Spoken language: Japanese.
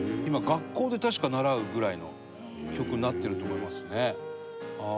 今、学校で確か、習うぐらいの曲になってると思いますね。